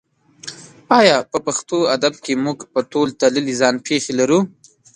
ایا په پښتو ادب کې موږ په تول تللې ځان پېښې لرو؟